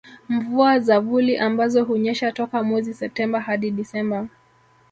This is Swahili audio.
Mvua za vuli ambazo hunyesha toka mwezi Septemba hadi Desemba